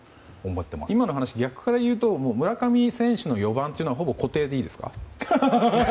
今の話を逆でいうと村上選手の４番はほぼ固定でいいんですか？